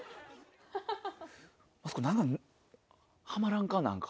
あそこ何かはまらんか何か。